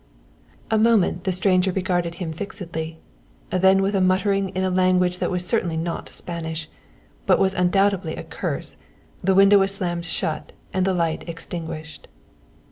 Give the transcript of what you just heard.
A moment the stranger regarded him fixedly, then with a muttering in a language that was certainly not Spanish, but was undoubtedly a curse, the window was slammed shut and the light extinguished.